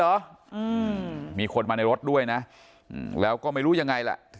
อืมมีคนมาในรถด้วยนะอืมแล้วก็ไม่รู้ยังไงแหละ